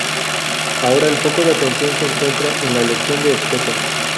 Ahora, el foco de atención se encuentra en la elección de objeto.